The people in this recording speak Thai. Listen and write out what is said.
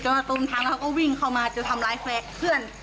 จนตรงทางเขาก็วิ่งเข้ามาจะทำร้ายเพื่อน